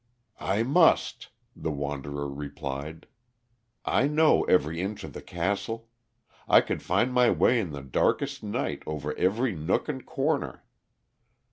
"I must," the wanderer replied. "I know every inch of the castle. I could find my way in the darkest night over every nook and corner.